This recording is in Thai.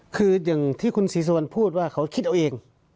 คืออย่างที่คุณศรีสุวรรณพูดว่าเขาคิดเอาเอง